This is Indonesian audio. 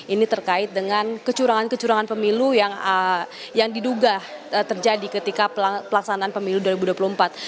ini terkait dengan kecurangan kecurangan pemilu yang diduga terjadi ketika tim ini diungkapkan oleh tim ganjar mahfud